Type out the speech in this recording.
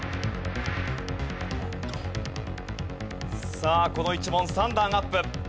さあこの１問３段アップ。